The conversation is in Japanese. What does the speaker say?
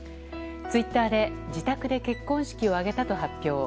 ツイッターで自宅で結婚式を挙げたと発表。